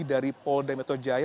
dari pol demeto jaya